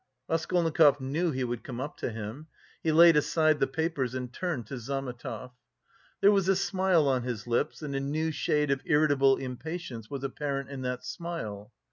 Raskolnikov knew he would come up to him. He laid aside the papers and turned to Zametov. There was a smile on his lips, and a new shade of irritable impatience was apparent in that smile.